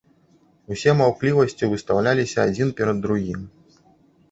Усе маўклівасцю выстаўляліся адзін перад другім.